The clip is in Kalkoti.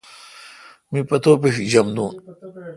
می پتو پیݭ جم دون۔